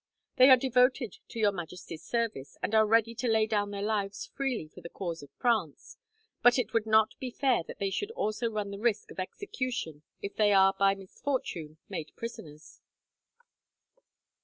They are devoted to Your Majesty's service, and are ready to lay down their lives freely for the cause of France; but it would not be fair that they should also run the risk of execution, if they are by misfortune made prisoners."